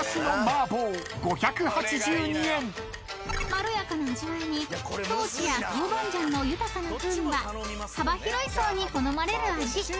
［まろやかな味わいにトウチやトウバンジャンの豊かな風味が幅広い層に好まれる味］